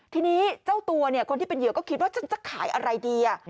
ทีนี้เจ้าตัวเนี่ยคนที่เป็นเหยื่อก็คิดว่าฉันจะขายอะไรดี